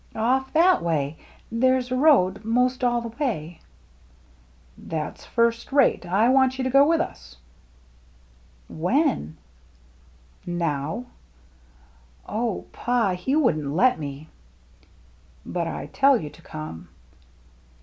" "Off that way. There's a road 'most all the way." "That's first rate. I want you to go with us." THE GINGHAM DRESS 289 "When?" "Now." "Oh, Pa — he wouldn't let me —"" But I tell you to come."